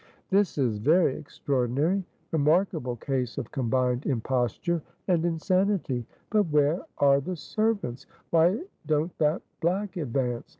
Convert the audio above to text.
"This is very extraordinary: remarkable case of combined imposture and insanity; but where are the servants? why don't that black advance?